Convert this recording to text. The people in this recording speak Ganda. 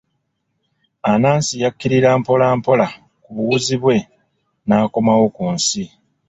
Anansi yakkirira mpola mpola ku buwuzi bwe n'akomawo ku nsi.